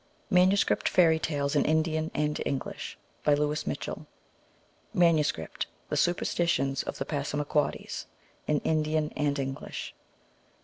Manuscript Fairy Tales in Indian and English. By Louis Mitchell. Manuscript : The Superstitions of the Passamaquoddies. In Indian and English.